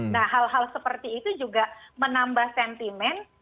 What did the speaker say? nah hal hal seperti itu juga menambah sentimen